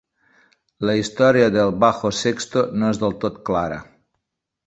La història del bajo sexto no és del tot clara.